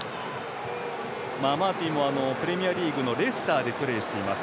アマーティもプレミアリーグのレスターでプレーしています。